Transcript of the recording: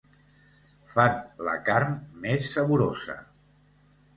Fan la carn més saborosa.